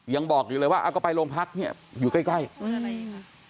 ยังบอกอยู่เลยว่าก็ไปโรงพักเนี่ยอยู่ใกล้ใกล้